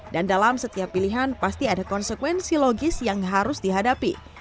dan dalam setiap pilihan pasti ada konsekuensi logis yang harus dihadapi